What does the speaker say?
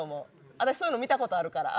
私そういうの見たことあるから。